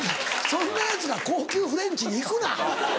そんなヤツが高級フレンチに行くな！